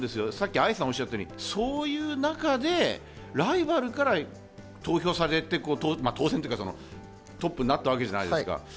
愛さんがおっしゃったように、そういう中でライバルから投票されてトップになったわけじゃないですか。